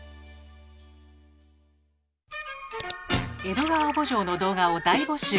「江戸川慕情」の動画を大募集。